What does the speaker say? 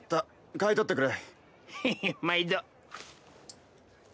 買い取ってくれ。